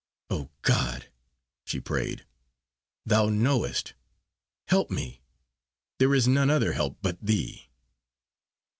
"Oh, God," she prayed, "Thou knowest! Help me! There is none other help but Thee!"